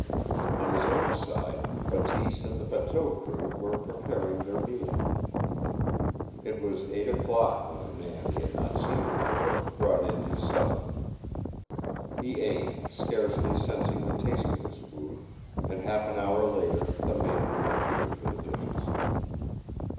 On his own side, Bateese and the bateau crew were preparing their meal. It was eight o'clock when a man he had not seen before brought in his supper. He ate, scarcely sensing the taste of his food, and half an hour later the man reappeared for the dishes.